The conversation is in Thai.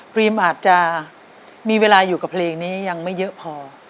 รีมอาจจะมีเวลาอยู่กับเพลงนี้ยังไม่เยอะพอ